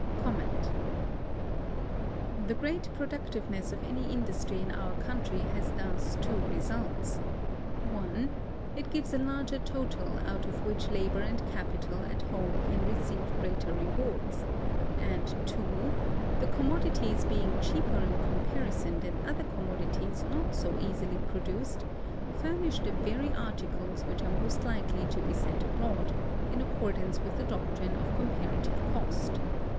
The great productiveness of any industry in our country has thus two results: (1) it gives a larger total out of which labor and capital at home can receive greater rewards; and (2) the commodities being cheaper in comparison than other commodities not so easily produced, furnish the very articles which are most likely to be sent abroad, in accordance with the doctrine of comparative cost.